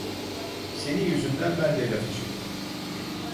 Senin yüzünden ben de laf işittim!